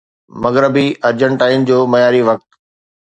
مغربي ارجنٽائن جو معياري وقت